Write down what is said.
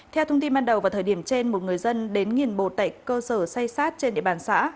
theo thông tin ban đầu vào thời điểm trên một người dân đến nghiền bột tại cơ sở xay sát trên địa bàn xã